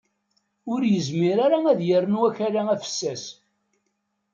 Ur yezmir ara ad yernu akala afessas.